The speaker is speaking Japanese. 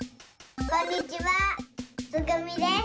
こんにちはつぐみです。